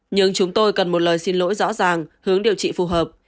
nhưng chúng tôi cần một lời xin lỗi rõ ràng hướng điều trị phù hợp